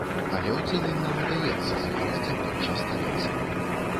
Але ў цэлым нам удаецца захаваць аблічча сталіцы.